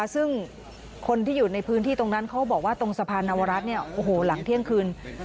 ซึ่งคนที่อยู่ในพื้นที่ตรงนั้นเขาบอกว่าตรงสะพานนวรัฐหลังเที่ยงคืน